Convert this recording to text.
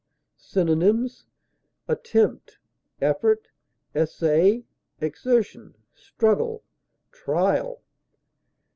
_ Synonyms: attempt, effort, essay, exertion, struggle, trial.